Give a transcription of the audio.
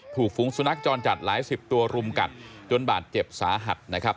ฝูงสุนัขจรจัดหลายสิบตัวรุมกัดจนบาดเจ็บสาหัสนะครับ